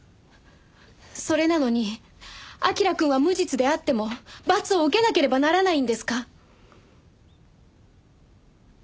それなのに彬くんは無実であっても罰を受けなければならないんですか？